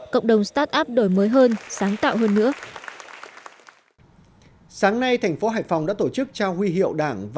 cộng đồng start up đổi mới hơn sáng tạo hơn nữa